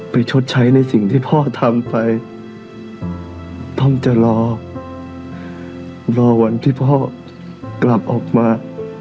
ชดใช้ในสิ่งที่พ่อทำไปต้องจะรอรอวันที่พ่อกลับออกมา